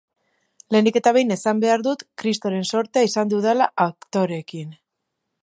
Lehenik eta behin, esan behar dut kristoren zortea izan dudala aktoreekin.